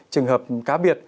trường hợp cá biệt